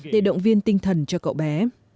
để động viên tinh thần cho cậu bé